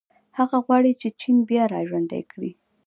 هغه غواړي چې چین بیا راژوندی کړي.